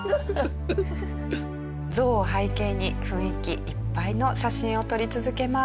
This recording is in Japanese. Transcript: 象を背景に雰囲気いっぱいの写真を撮り続けます。